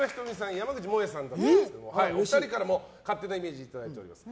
山口もえさんだったんですがお二人からも勝手なイメージをいただいています。